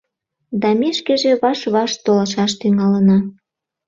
Да ме шкеже ваш-ваш толашаш тӱҥалына.